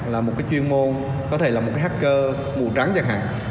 là một cái chuyên môn có thể là một hacker màu trắng chẳng hạn